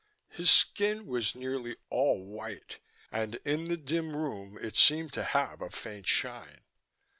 His skin was nearly all white, and in the dim room it seemed to have a faint shine.